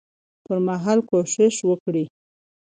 پر مهال کوشش وکړي